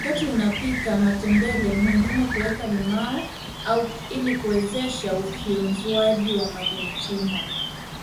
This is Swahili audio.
Wakati unapika matembele ni muhimu kuweka limao ili kuwezesha ufyonzwaji wa madini chuma